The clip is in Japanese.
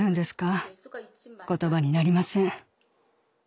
言葉になりません。